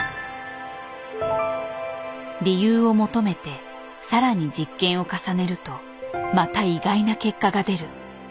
理由を求めて更に実験を重ねるとまた意外な結果が出る。